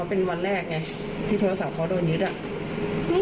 เอาออกมาหน่อยก็ได้ค่ะให้เห็นเวลา